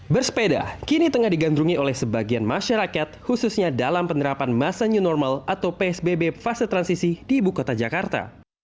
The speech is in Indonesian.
bersepeda kini tengah digandrungi oleh sebagian masyarakat khususnya dalam penerapan masa new normal atau psbb fase transisi di ibu kota jakarta